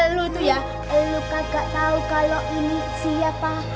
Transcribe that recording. lo tuh ya lo kagak tau kalo ini siapa